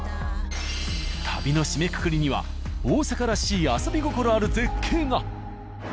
旅の締めくくりには大阪らしい遊び心ある絶景が！